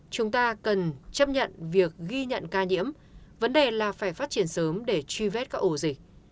chúng ta cần chấp nhận việc ghi nhận ca nhiễm vấn đề là phải phát triển sớm để truy vết các ổ dịch